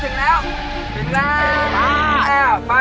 เปล่า